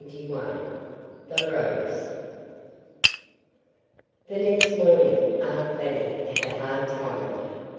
CHAPTER XXI THE ROSE The next morning Aunt Fanny had a hard time of it.